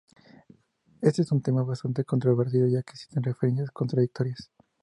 Este es un tema bastante controvertido ya que existen referencias contradictorias.